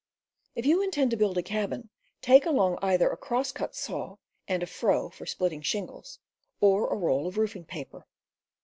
If you intend to build a cabin, take along either a cross cut saw and a froe for splitting shingles, or a roll of roofing paper.